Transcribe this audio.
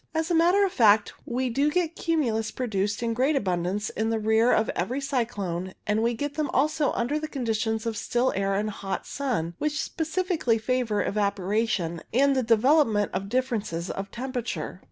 As a matter of fact) we do get cumulus produced in great abundance in the rear of every cyclone, and we get them also under the conditions of still air and hot sun, which specially favour evaporation and the development of differences of temperature.